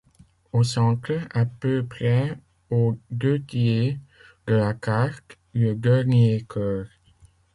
Au centre, à peu près aux deux-tiers de la carte, le dernier cœur.